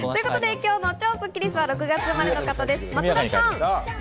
今日の超スッキりすは６月生まれの方、松田さん。